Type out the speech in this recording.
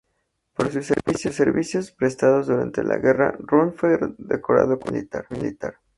Por sus servicios prestados durante la guerra, Round fue condecorado con la Cruz Militar.